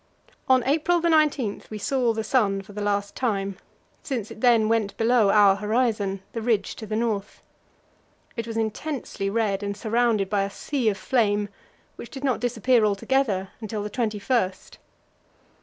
On April 19 we saw the sun for the last time, since it then went below our horizon the ridge to the north. It was intensely red, and surrounded by a sea of flame, which did not disappear altogether until the 21st.